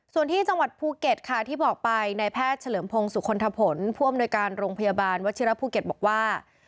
ส่วนที่จังหวัดภูเก็ตค่ะที่บอกไปในแพทย์เฉลิมพงศุคลทะผลผู้อำนวยการโรงพยาบาลวัชิระภูเก็ตบอกว่า